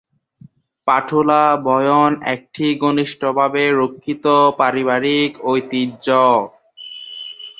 পাটোলা-বয়ন একটি ঘনিষ্ঠভাবে রক্ষিত পারিবারিক ঐতিহ্য।